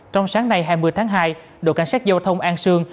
trong sáng nay hai mươi tháng hai đội cảnh sát giao thông an sương